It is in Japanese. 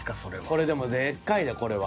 これでもでっかいでこれは。